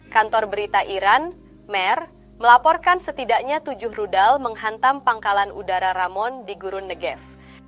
kantor berita iran mer melaporkan setidaknya tujuh rudal menghantam pangkalan udara ramon di gurun negev